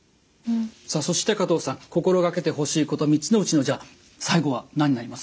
さあそして加藤さん心がけてほしいこと３つのうちのじゃあ最後は何になりますか？